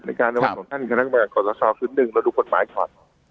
ในการระบบของท่านคณะกรรมการกฎศาสตร์คืนหนึ่งเราดูผลหมายขอด